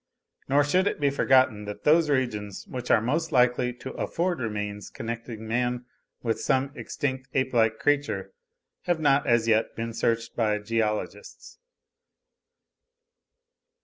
Nor should it be forgotten that those regions which are the most likely to afford remains connecting man with some extinct ape like creature, have not as yet been searched by geologists.